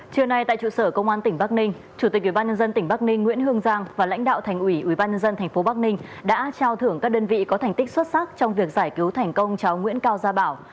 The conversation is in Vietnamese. trưa nay tại trụ sở công an tỉnh bắc ninh chủ tịch ủy ban nhân dân tỉnh bắc ninh nguyễn hương giang và lãnh đạo thành ủy ubnd tp bắc ninh đã trao thưởng các đơn vị có thành tích xuất sắc trong việc giải cứu thành công cháu nguyễn cao gia bảo